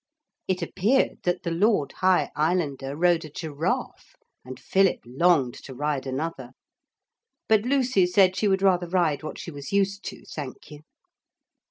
It appeared that the Lord High Islander rode a giraffe, and Philip longed to ride another. But Lucy said she would rather ride what she was used to, thank you.